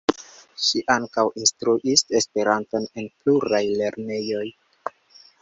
Ŝi ankaŭ instruis Esperanton en pluraj lernejoj.